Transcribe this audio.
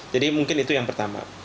jadi mungkin itu yang pertama